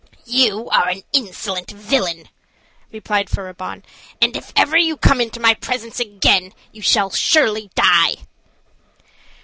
"You are an insolent villain!" replied Furibon, "and if ever you come into my presence again, you shall surely die."